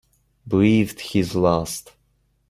Breathed his last